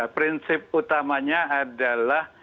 prinsip utamanya adalah